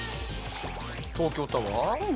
東京タワー？